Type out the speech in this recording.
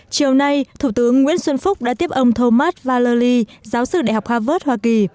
chiều nay thủ tướng nguyễn xuân phúc đã tiếp ông thomas valely giáo sư đại học harvard hoa kỳ